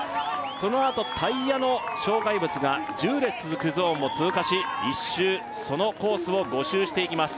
そのあとタイヤの障害物が１０列続くゾーンも通過し１周そのコースを５周していきます